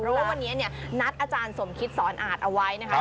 เพราะว่าวันนี้เนี่ยนัดอาจารย์สมคิตสอนอาจเอาไว้นะครับ